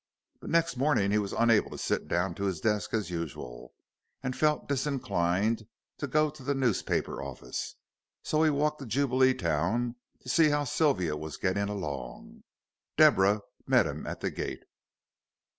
But next morning he was unable to sit down to his desk as usual, and felt disinclined to go to the newspaper office, so he walked to Jubileetown to see how Sylvia was getting along. Deborah met him at the gate.